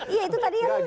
iya itu tadi yang kedua